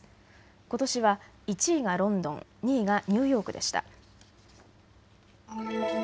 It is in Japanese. ことしは１位がロンドン、２位がニューヨークでした。